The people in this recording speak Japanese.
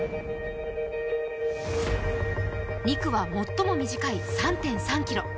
２区は最も短い３．３ｋｍ。